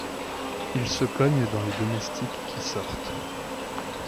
Il se cogne dans les domestiques qui sortent.